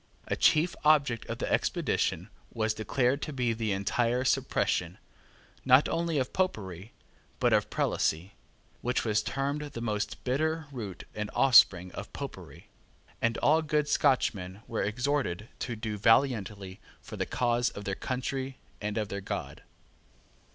A chief object of the expedition was declared to be the entire suppression, not only of Popery, but of Prelacy, which was termed the most bitter root and offspring of Popery; and all good Scotchmen were exhorted to do valiantly for the cause of their country and of their God.